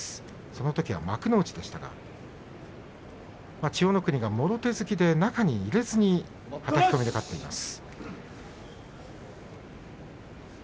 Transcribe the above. そのときは幕内でしたが千代の国が、もろ手突きで中に入れずにはたき込みで勝っています。